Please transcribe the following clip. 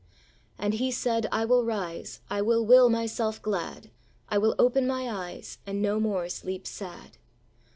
And he said, I will rise, I will will myself glad; I will open my eyes, And no more sleep sad.